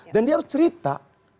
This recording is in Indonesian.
dan dia harus cerita